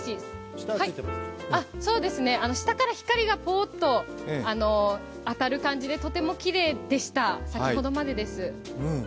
下から光がぽーっと当たる感じでとてもきれいでした、先ほどまでです。